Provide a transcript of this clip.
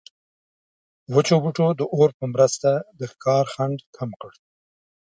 وچو بوټو د اور په مرسته د ښکار خنډ کم کړ.